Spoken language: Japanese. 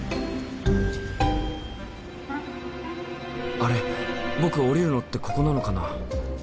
あれ僕降りるのってここなのかな？